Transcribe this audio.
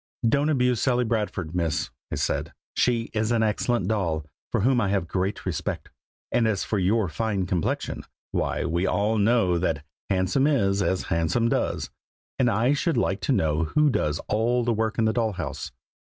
"Don't abuse Sally Bradford, Miss!" I said. "She is an excellent doll, for whom I have a great respect; and as for your fine complexion, why, we all know that 'handsome is as handsome does;' and I should like to know who does all the work in the doll house.